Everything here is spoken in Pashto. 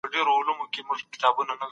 هغوی په تجربوي ډول پلی ګرځېدلي دي.